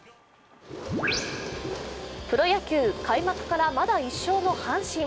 プロ野球、開幕からまだ１勝の阪神。